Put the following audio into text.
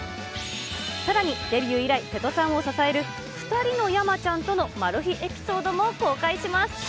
さらにデビュー以来瀬戸さんを支える、２人の山ちゃんとのマル秘エピソードも公開します。